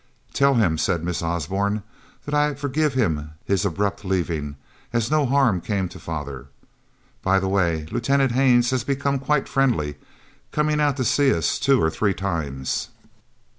"Tell him," said Miss Osborne, "that I forgive him his abrupt leaving, as no harm came to father. By the way, Lieutenant Haines has become quite friendly, coming out to see us two or three times."